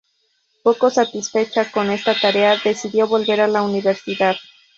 Poco satisfecha con esta tarea, decidió volver a la universidad.